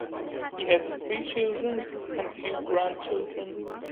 He has three children, and few grandchildren.